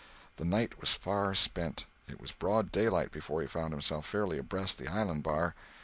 The night was far spent. It was broad daylight before he found himself fairly abreast the island bar.